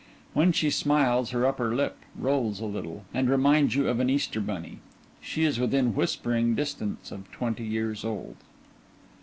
When she smiles, her upper lip rolls a little and reminds you of an Easter Bunny. She is within whispering distance of twenty years old.